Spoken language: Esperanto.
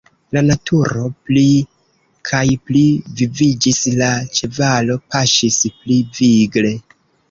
La naturo pli kaj pli viviĝis, la ĉevalo paŝis pli vigle.